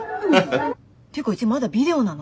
ていうかうちまだビデオなの？